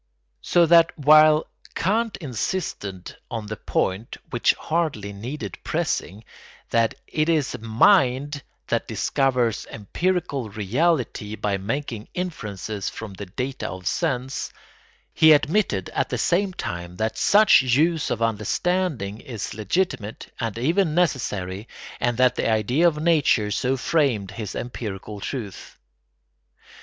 So that while Kant insisted on the point, which hardly needed pressing, that it is mind that discovers empirical reality by making inferences from the data of sense, he admitted at the same time that such use of understanding is legitimate and even necessary, and that the idea of nature so framed his empirical truth.